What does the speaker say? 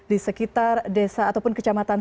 di sekitar desa ataupun kecamatan